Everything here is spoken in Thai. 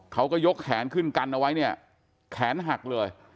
เขาก็ยกแขนขึ้นกันเอาไว้เนี่ยแขนหักเลย